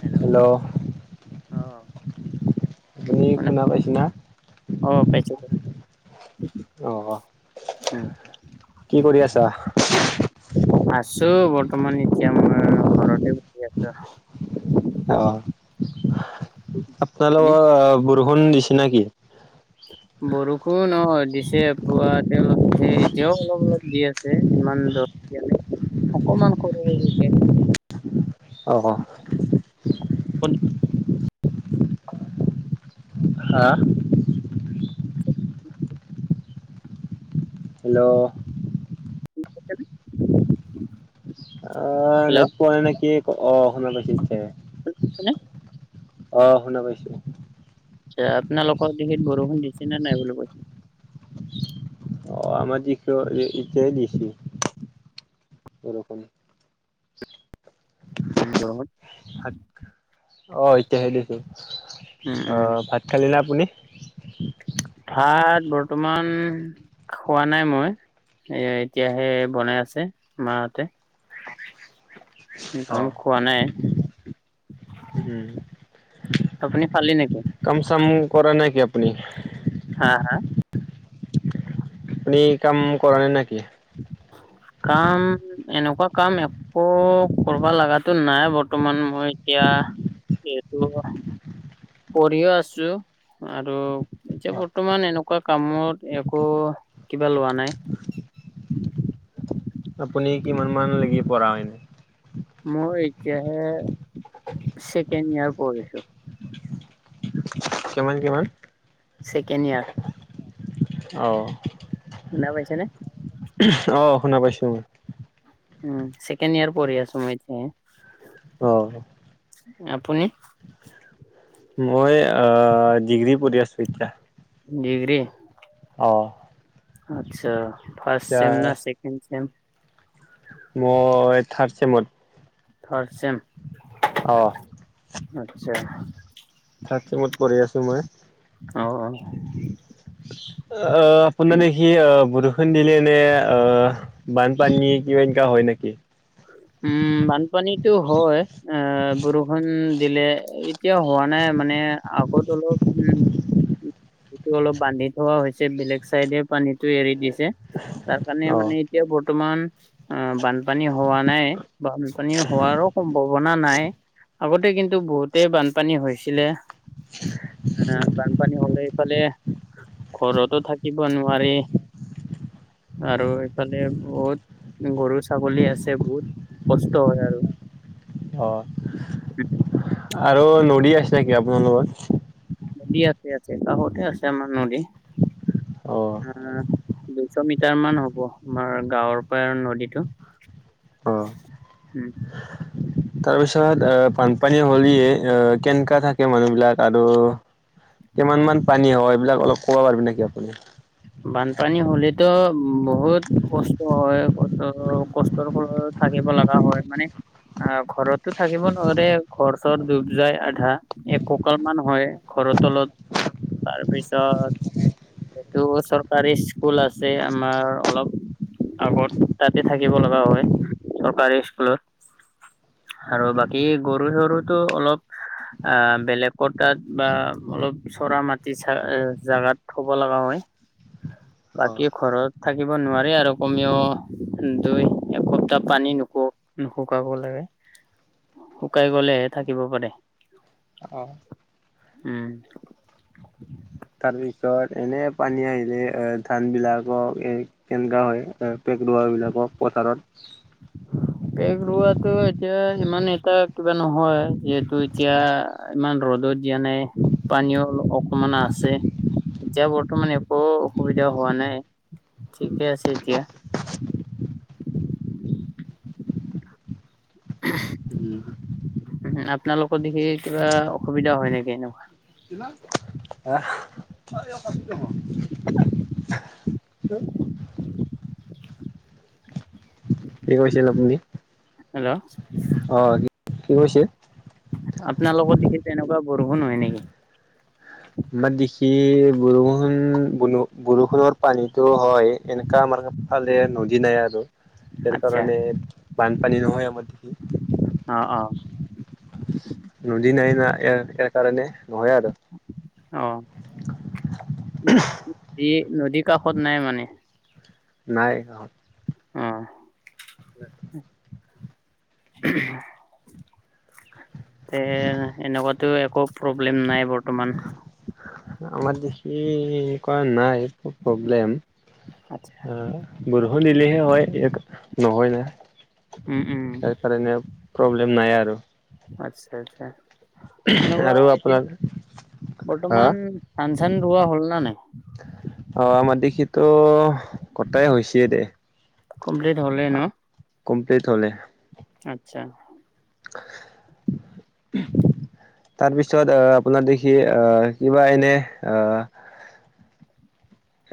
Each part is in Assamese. হেল্ল' আহ, আপুনি শনা পাইছা না, অ পাইছো, অ' উম, কি কৰি আছা? আছো বৰ্তমান এতিয়া আমাৰ, [unintelligible] [unintelligible] আছো। অ আপুনি আপোনালোকৰ বৰষুণ দিছে নে কি। বৰষুণ অ দিছে পুৱা তেওঁলোক যে এতিয়াও অলপ অলপ দি আছে ইমান দৰ [inaudible] অকমান [unintelligible] অ অ, হা, হেল্ল', [unintelligible] অ হেল্ল' নেট পোৱা নাই নে কি অ শুনা পাইছো, শুনিছেনে অ শুনা পাইছো। এতিয়া আপোনালোকৰ দিখে বৰষুণ দিছে নে নাই বুলি কৈছো। অ আমাৰ দি ইতিয়ে দিছে বৰষুণ। উম ক, ভাত অ এতিয়াহে দিছে উম অ উম ভাত খালে নে আপুনি। ভাত বৰ্তমান খোৱা নাই মই, এ এতিয়াহে বনাই আছে মা হতে, [unintelligible] ন খোৱা নাই আপুনি খালে নেকি। কম চামো কৰা নেকি আপুনি। হা হা, আপুনি কাম কৰা নাই নাকি? কাম এনেকুৱা কাম এক একো কৰবা লগাতো নাই বৰ্তমান মই এতিয়া এইটো পঢ়িও আছো। আৰু এতিয়া অ বৰ্তমান এনেকুৱা কামত একো কিবা লোৱা নাই। আপুনি কিমান মান লৈকে পঢ়া হয়? মই এতিয়াহে ছেকেণ্ড ইয়াৰ পঢ়িছো। কিমান কিমান? Second year. অ। শুনা পাইছে নে? অঁ শুনা পাইছোঁ মই। উম ছেকেণ্ড ইয়াৰ পঢ়ি আছো মই এতিয়া। অ। আপুনি? মই আ ডিগ্ৰী পঢ়ি আছো এতিয়া। ডিগ্ৰী? অ। আচ্ছা, ফাৰ্ষ্ট এতিয়া চেম না ছেকেণ্ড চেম? মই থাৰ্ড ছেমত। Third sem? অ। আচ্ছা। থাৰ্ড চেমত পঢ়ি আছোঁ মই। অঁ অঁ। অ আপোনা নে কি অ বুৰু ষূণ দিলে এনে অ বানপানী কিবা এনকা হয় নেকি? উম বানপানীটো হয়, আহ বৰষুণ দিলে এই এতিয়া হোৱা নাই মানে আগত অলপ উম্ সেইটো অলপ বান্ধি থোৱা হৈছে, বেলেগ চাইডে পানীটো এৰি দিছে। তাৰ কাৰণে অ' মানে এতিয়া বৰ্তমান অ বানপানী হোৱা নাই। বানপানী হোৱাৰো সম্ভাৱনা নাই। আগতে কিন্তু বহুতেই বানপানী হৈছিলে। আহ বানপানী হলে এইফালে ঘৰতো থাকিব নোৱাৰি। আৰু এইফালে বহুত গৰু ছাগলী আছে বহুত কষ্ট হয় আৰু। অ। আৰু নদী আছে নেকি আপোনালোকৰ? নদী আছে আছে, কাষতে আছে আমাৰ নদী। অ দুইশ মিটাৰ মান হ'ব আমাৰ গাঁৱৰ পৰা নদীটো। [inaudible] উম। তাৰপিছত অ বানপানী হ'লি এ অ কেনেকা থাকে মানুহ বিলাক? আৰু কিমান মান পানী হয় এইবিলাক অলপ ক'ব পাৰবি নেকি আপুনি? বানপানী হ'লেতো বহুত- কষ্ট হয় কত কষ্টৰ ফলত থাকিব লগা হয় মানে- আহ ঘৰতো থাকিব নোৱাৰে ঘৰ চৰ ডুব যায় আধা। এক কাল মান হয় ঘৰ তলত তাৰ পিছত- টো চৰকাৰী স্কুল আছে আমাৰ অলপ- আগত তাতে থাকিব লগা হয় চৰকাৰী স্কুলত। আৰু বাকী গৰু জৰুতো অলপ- আহ বেলেকৰ তাত বা অলপ চৰা মাটি চা জাগাত থব লগা হয়। অ' বাকী ঘৰত থাকিব নোৱাৰি আৰু কমেও দুই একসপ্তাহ পানী নুসো- নু শুকাব লাগে শুকাই গলেহে থাকিব পাৰি। অ' উম'। তাৰপিছত এনে পানী আহিলে এ ধানবিলাকক এই- কেনেকা হয় পেক ৰুৱাৰ বিলাকক পথাৰত। পেগ ৰোৱাটো এতিয়া ইমান এটা কিবা নহয় যিহেতু এতিয়া- ইমান ৰ'দত দিয়া নাই পানীও অকমান আছে- এতিয়া বৰ্তমান একো অসুবিধা হোৱা নাই ঠিকে আছে এতিয়া। [unintelligible] উমহ আপোনালোকৰ দিগি কিবা অসুবিধা হয় নেকি এনকুৱা। কিনা- আহ। [unintelligible] কি কৈছিল আপুনি? হেল্ল'। অঁ কি কি কৈছে? আপোনাৰ লগত দিগি তেনেকুৱা বৰষুণ হয় নেকি? আমাৰ দেখি বৰষুণ বল বৰষুণৰ পানীটো হয় এনেকা আমাৰ- ফালে নদী নাই আৰু তাৰ আচ্ছা কাৰণে বানপানী নহয় আমাৰ দিগি। অঁ অঁ। নদী নাই না এয়াৰ এয়া কাৰণে নহয় আৰু। অঁ, নদী নদী কাষত নাই মানে। নাই গাঁৱত। অঁহ। এ এনকুৱাতো একো প্ৰব্লেম নাই বৰ্তমান। আমাৰ দিখি কৰা নাই। ও প্ৰব্লেম আচ্ছা অঁ বৰষুণ দিলেহে হয় ইয়াতো নহয় না। উম উম তাৰ কাৰণে প্ৰব্লেম নাই আৰু। আতচ্ছা আতচছা এনেকুৱা আৰু এতিয়া আপোনাৰ হা বৰ্তমান- ধান চান দোৱা হ'ল না নাই। অঁ আমাৰ দিখিটো কটাই হৈছে দে। কমপ্লেইট হ'লেই ন। কমল্পেইট হলেই। আত্ছা। [unintelligible] তাৰপিছত আ আপোনাৰ দেখি আ কিবা এনে আ-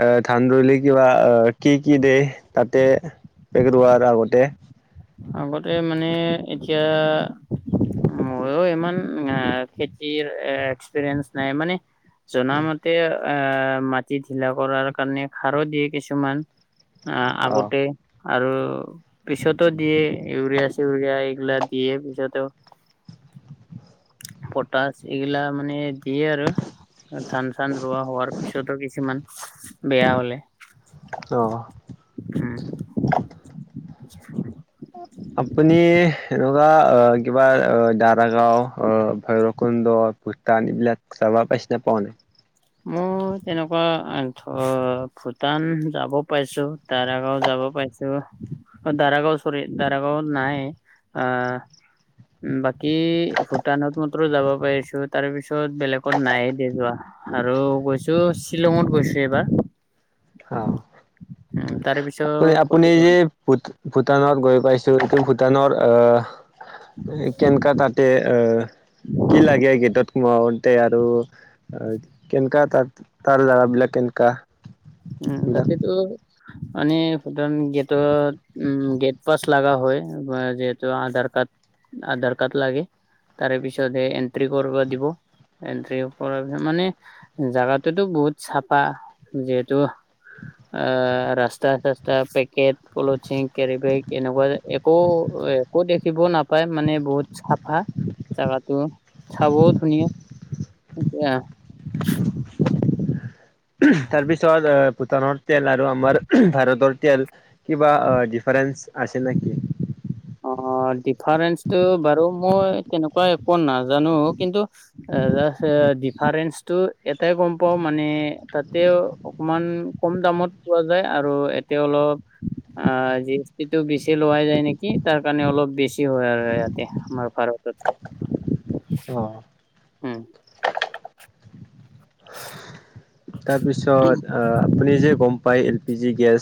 এ ধান ৰুলে কিবা অ কি কি দে তাতে পেক ৰোৱাৰ আগতে। আগতে মানে এতিয়া মইও ইমান আ খেতিৰ এক্সপিৰিয়েঞ্চ নাই মানে জনামতে আ মাটি ঢিলা কৰাৰ কাৰণে সাৰো দিয়ে কিছুমান। আহ অ আগতে আৰু পিছতো দিয়ে, ইউৰিয়া - চিউৰিয়া এইগিলা দিয়ে পিছতো পটাশ এইগিলা মানে সে আৰু ধান - চান ৰোৱা হোৱাৰ পিছতো কিছুমান বেয়া হলে অঁহ। উম। আপুনি এনেকুৱা অ কিবা অ দাদা গাও অ ধৰি ল কুন্দ, ভূটান এইবিলাক চাবা পাইছিনা পাও নাই? মই তেনেকুৱা আ ধৰ ভূটান যাব পাইছো দাৰাগাঁও যাব পাইছো, অ দাৰাগাঁও চৰি দাৰাগাঁও নাই। আ উম বাকী ভূটানত মাত্ৰ যাব পাৰিছো তাৰ পিছত বেলেগত নাই দে যোৱা। আৰু গৈছো শ্বিলঙত গৈছো এইবাৰ। অ, তাৰে আপুনি- পিছত আপুনি ক'তো এই যোৱা যে ভূট - ভূটানত গৈ পাইছো এইটো ভূটানৰ আহ এ কেনকা তাত তে আহ কি লাগে গেটত সোমাওতে আৰু আ কেনেকা তাত তাৰ জাগাবিলাক কেনেকা? উম এইবিলাক তাতেটো [inaudible] মানে সুটন গেটত উম গেট পাছ লাগা হয়, তোমাৰ যিহেতু আধাৰ কাৰ্ড আধাৰ কাৰ্ড লাগে তাৰে পিছত সে এন্ট্ৰি কৰিব দিব। এণ্ট্ৰী ওপৰত মানে জাগাটোতো বহুত চাফা যিহেত তু আ ৰাস্তা - চাস্তা, পেকেট, পলথিন, কেৰিবেগ এনেকুৱা একো এ আকৌ দেখিব নাপায় মানে বহুত চাফা জাগাটো, চাবও ধুনীয়া। এয়া উহ তাৰ পিছত আহ ভূটানৰ তেল আৰু আমাৰ উহ ভাৰতৰ তেল কিবা আ ডিফাৰেনস আছে নে অ ডিফাৰেঞ্চটো বাৰু মই তেনেকুৱা একো নাজানো কিন্তু আ [inaudible] ডিফাৰেঞ্চটো এটাই গম পাও মানে তাতেও অকমান কম দামত পোৱা যায় আৰু এতিয়া অলপ আ জি এছ টিটো বেছি লোৱাই যায় নে কি তাৰ কাৰণে অলপ বেছি হয় আৰু ইয়াতে আমাৰ ভাৰতত। অ। হুম। তাৰপিছত আ আপুনি যে গম পাই এল পি জি গেছ,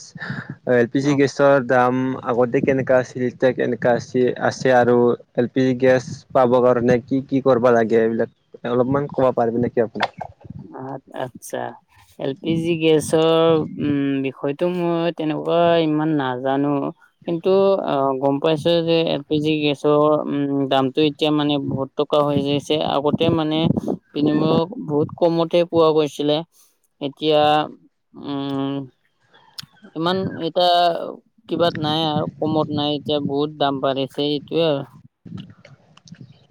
আ এল পি জি অ গেছ গেছৰ দাম আগতে কেনেকুৱা আছিল, এতিয়া কেনেকুৱা আছি আছে আৰু এল পি জি গেছ পাব কাৰণে কি কি কৰিবা লাগে এইবিলাক অলপমান ক'ব পাৰিবি নেকি আপুনি? আত আচ্ছা। এল পি জি গেছৰ উম বিষয়টো মই তেনেকুৱা ইমান নাজানো। কিন্তু অ গম পাইছো যে এল পি জি গেছৰ উম দামটো এতিয়া মানে বহুত টকা হৈ যাইছে আগতে মানে বিনিময়ক বহুত কমতে পোৱা গৈছিলে এতিয়া উম ইমান এটায়া কিবা নাই আৰু কমত নাই এতিয়া বহুত দাম পাৰেছে এইটয়ে আৰু।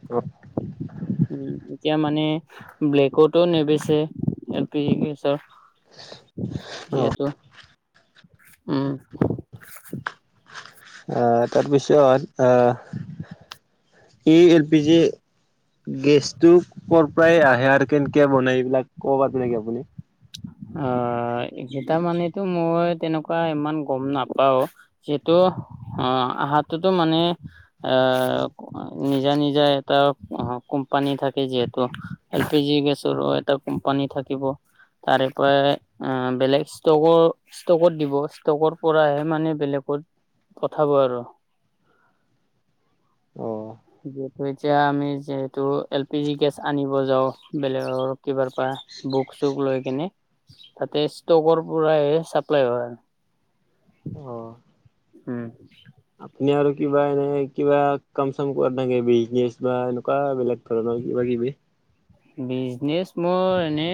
অ- উ এতিয়া মানে ব্লেকতো নেবেছে এল পি জি গেছৰ অ এইহেতু উম। আহ তাৰপিছত আহ এই এল পি জি গেছটো প্ৰায় আহে আৰু কেনেকে বনাই এইবিলাক ক'ব পাৰি নেকি আপুনি? অ এইকেইটা মানেতো মই তেনেকুৱা ইমান গম নাপাও যিেতু অ আহাতটোতো মানে এ নিজা নিজা এটা কোম্পানী থাকে যিহেতু এল পি জি গেছৰ এটা কোম্পানী থাকিব। তাৰেপ বেলেগ ষ্টকো ষ্টকত দিব ষ্টকৰ পৰাহে মানে বেলেগত পঠাব আৰু। অ যিহেতু এতিয়া আমি যিহেতু এল পি জি গেছ আনিব যাও বেলেগৰ কিবাৰ পৰা। বুক চুক লৈ কেনে। তাতে ষ্টকৰ পূই চাপ্লাই হয়। অ উম আপুনি আৰু কিবা এনে কিবা কম চাম কৰ নাকে বিজনেচ বা এনেকুৱা বিলাক ত নাগি কিবা কিবি বিজনেচ মোৰ এনে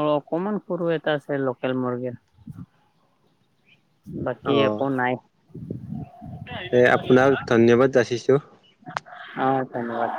অ অকমান সৰু এটা আছে লোকেল মুৰ্গীৰ এটা [unintelligible] বাকী একো নাই। এই আপোনাক ধন্যবাদ জাচিছোঁ। অ ধন্যবাদ।